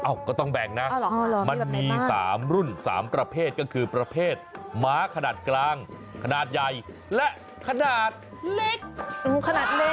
ก็ต้องแบ่งนะมันมี๓รุ่น๓ประเภทก็คือประเภทม้าขนาดกลางขนาดใหญ่และขนาดเล็กขนาดเล็ก